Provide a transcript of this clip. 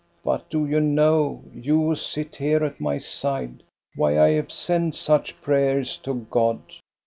But do you know, you who sit here at my side, why I have sent such prayers to God?